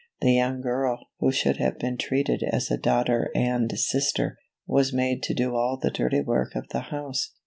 The young girl, who should have been treated as a daugh ter and sister, was made to do all the dirty work of the 1 louse.